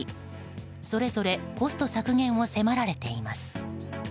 それぞれコスト削減を迫られています。